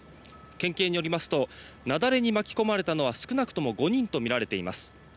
県警によりますと雪崩に巻き込まれたのは少なくとも５人とみられています。